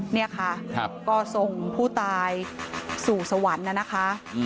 นี่ค่ะก็ส่งผู้ตายสู่สวรรค์นะคะ